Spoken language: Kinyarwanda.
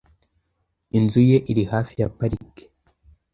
Inzu ye iri hafi ya parike .